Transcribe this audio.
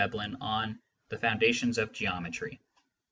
Veblen on '* The Foundations of Geometry